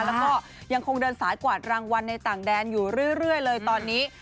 แล้วก็ยังคงเดินสายกวาดรางวัลในต่างแดนอยู่เรื่อยเลยตอนนี้